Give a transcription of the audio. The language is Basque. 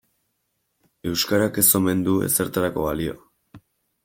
Euskarak ez omen du ezertarako balio.